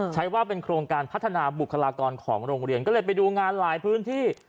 ใช้ว่าเป็นโครงการพัฒนาบุคลากรของโรงเรียนก็เลยไปดูงานหลายพื้นที่